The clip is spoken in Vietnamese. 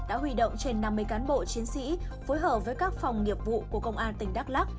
đã huy động trên năm mươi cán bộ chiến sĩ phối hợp với các phòng nghiệp vụ của công an tỉnh đắk lắc